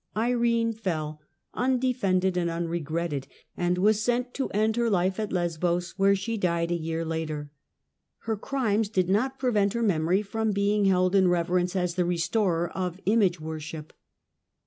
Irene fell undefended and unregretted, and was sent to end her life at Lesbos, where she died a year later. Her crimes did not pre vent her memory from being held in reverence as the restorer of image worship.